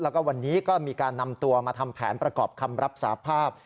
แล้วก็วันนี้ก็มีการนำตัวมาทำแผนประกอบคำรับสาภาพ